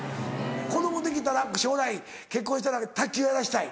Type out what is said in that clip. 子供できたら将来結婚したら卓球やらしたい？